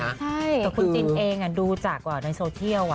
แต่คุณจินเองดูจากในโซเทียล